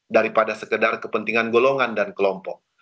daripada sekedar kepentingan golongan dan kelompok